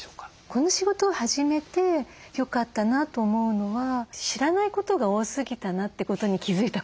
この仕事を始めてよかったなと思うのは知らないことが多すぎたなってことに気付いたことです。